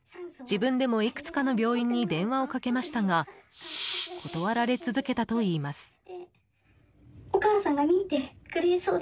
自分でもいくつかの病院に電話をかけましたが断られ続けたといいます。